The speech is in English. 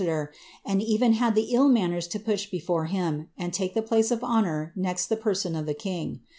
liasMidor, and even had the ill manners to pnsh before him, and tike the plare of honour next the person of the king.